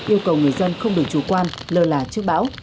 yêu cầu người dân không được chủ quan lơ là trước bão